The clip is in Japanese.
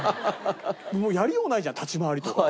もうやりようないじゃん立ち回りとか。